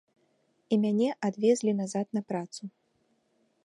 І мяне адвезлі назад на працу.